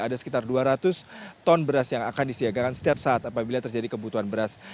ada sekitar dua ratus ton beras yang akan disiagakan setiap saat apabila terjadi kebutuhan beras